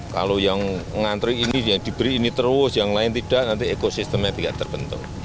kalau yang ngantri ini yang diberi ini terus yang lain tidak nanti ekosistemnya tidak terbentuk